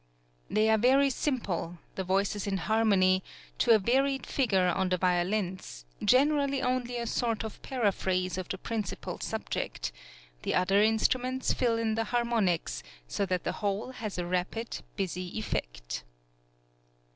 They are very simple, the voices in harmony, to a varied figure on the violins, generally only a sort of paraphrase of the principal subject; the other instruments fill in the harmonies, so that the whole has a rapid, busy effect.